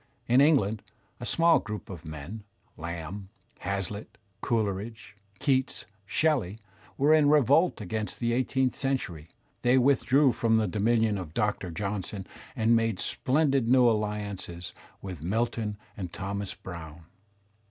In England a small group of men, Lamb, HazUtt, Coleridge, Keats, Shelley, were in revolt against the eighteenth century; they withdrew from the dominion of Doctor Johnson and made splendid new alliances with Milton and Thomas Browne.